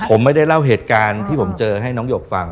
ผมไม่ได้เล่าเหตุการณ์ที่ผมเจอให้น้องหยกฟัง